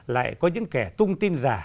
lại có những kẻ tung tin rả